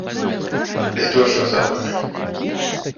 Es došos atpakaļ!